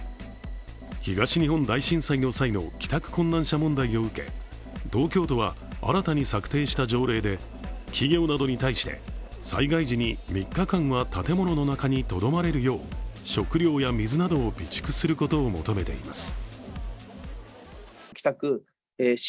東日本大震災の際の帰宅困難者問題を受け、東京都は新たに策定した条例で企業などに対して、災害時に３日間は建物の中にとどまれるよう食料や水などを備蓄することを求めています。